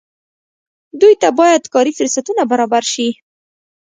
دوی ته باید کاري فرصتونه برابر شي.